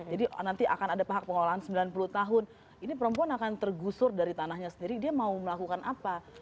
jadi nanti akan ada hak pengelolaan selama sembilan puluh tahun ini perempuan akan tergusur dari tanahnya sendiri di mana dia akan melakukan apa